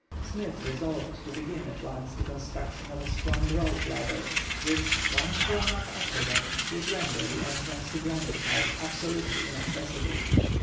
Smith resolved to begin at once the construction of a strong rope ladder, which, once drawn up after them, would render the entrance to Granite House absolutely inaccessible.